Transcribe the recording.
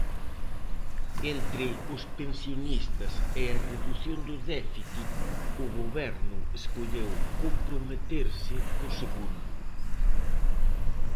Entre os pensionistas e a redución do déficit, o Goberno escolleu comprometerse co segundo.